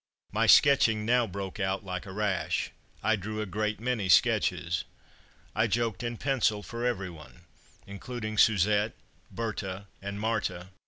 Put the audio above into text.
My sketching now broke out like a rash. I drew a great many sketches. I joked in pencil for every one, including Suzette, Berthe and Marthe.